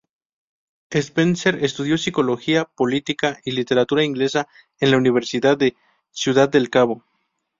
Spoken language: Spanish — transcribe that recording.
Spencer estudió psicología, política, y literatura inglesa en la Universidad de Ciudad del Cabo.